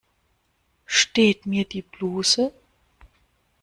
Steht mir die Bluse?